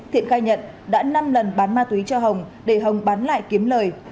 thiện khai nhận đã năm lần bán ma túy cho hồng để hồng bán lại kiếm lời